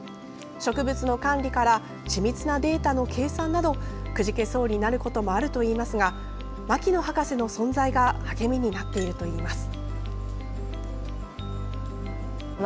植物の管理から緻密なデータの計算などくじけそうになることもあるといいますが牧野博士の存在が励みになっているといいます。